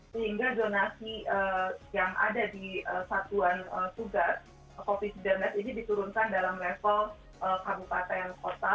sehingga zonasi yang ada di satuan tugas covid sembilan belas ini diturunkan dalam level kabupaten kota